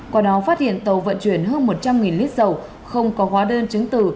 quả đó phát hiện tàu vận chuyển hơn một trăm linh lít dầu không có hóa đơn chứng tử